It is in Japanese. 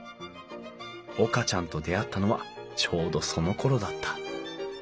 岡ちゃんと出会ったのはちょうどそのころだった。